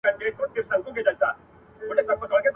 ځکه چي هغوی ژبه نه لري !.